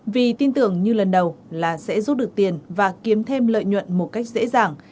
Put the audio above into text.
vì tin tưởng như lần đầu là sẽ rút được tiền và kiếm thêm lợi nhuận một cách dễ dàng